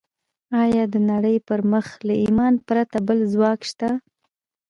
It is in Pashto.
ايا د نړۍ پر مخ له ايمانه پرته بل ځواک شته؟